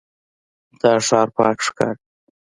دا ښار پاک ښکاري.